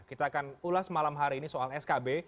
kita akan ulas malam hari ini soal skb